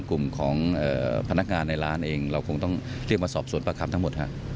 กลุ่มของพนักงานในร้านเองเราคงต้องเรียกมาสอบสวนประคำทั้งหมดฮะ